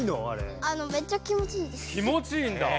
気持ちいいんだ。